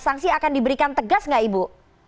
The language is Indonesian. sanksi akan diberikan tegas nggak ibu